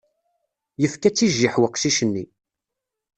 Yefka-tt i jjiḥ weqcic-nni.